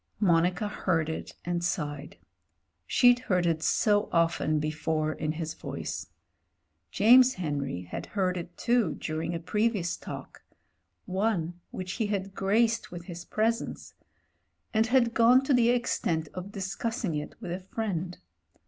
Monica heard it and sighed — she'd heard it so often before in his voice. James Henry had heard it too during a previous talk— one which he had graced with his pres ence — ^and had gone to the extent of discussing it with a friend.